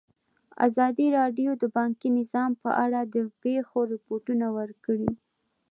ازادي راډیو د بانکي نظام په اړه د پېښو رپوټونه ورکړي.